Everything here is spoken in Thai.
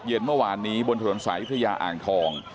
เมื่อวานนี้บนถนนสายพระยาอ่างทอง